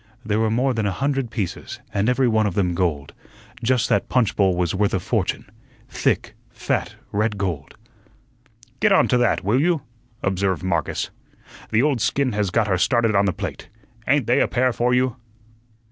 "There were more than a hundred pieces, and every one of them gold just that punch bowl was worth a fortune thick, fat, red gold." "Get onto to that, will you?" observed Marcus. "The old skin has got her started on the plate. Ain't they a pair for you?"